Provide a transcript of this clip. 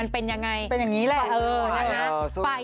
ผ่ายทายเนี้ย